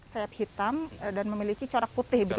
sayap hitam dan memiliki corak putih